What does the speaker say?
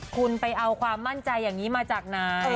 คุณไปเอาความมั่นใจอย่างนี้มาจากไหน